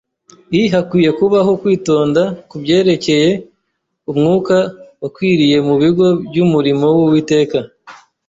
i hakwiye kubaho kwitonda ku byerekaye umwuka wakwiriye mu bigo by’umurimo w’Uwiteka.